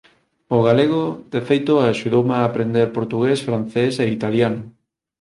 O galego, de feito, axudoume a aprender portugués, francés e italiano